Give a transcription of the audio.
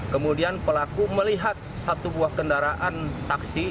kemudian pelaku melihat satu buah kendaraan taksi